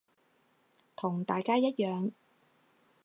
同大家一樣